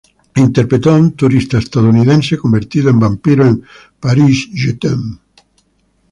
Interpretó a un turista estadounidense convertido en vampiro, en "Paris, je t'aime".